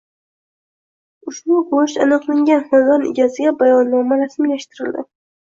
Ushbu go‘sht aniqlangan xonadon egasiga bayonnoma rasmiylashtirildi